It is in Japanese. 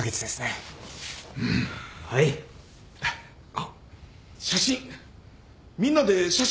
あっ写真。